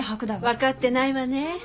分かってないわねえ。